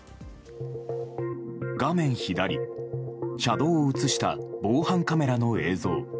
画面左、車道を映した防犯カメラの映像。